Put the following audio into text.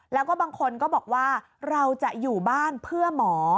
แล้วก็บางคนก็บอกว่าเราจะอยู่บ้านเพื่อหมอ